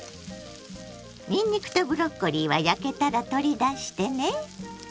にんにくとブロッコリーは焼けたら取り出してね。